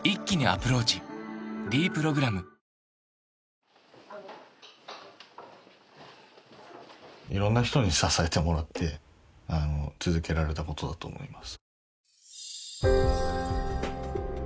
「ｄプログラム」色んな人に支えてもらって続けられたことだと思います